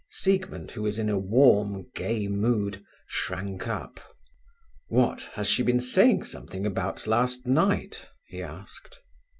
Siegmund, who was in a warm, gay mood, shrank up. "What, has she been saying something about last night?" he asked.